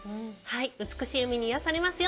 美しい海に癒やされますよ。